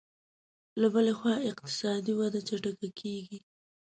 له بلې خوا اقتصادي وده چټکه کېږي